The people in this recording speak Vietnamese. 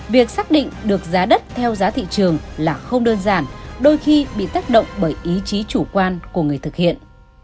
việc xác định được giá đất theo giá thị trường là không đơn giản đôi khi bị tác động bởi ý chí chủ quan của người thực hiện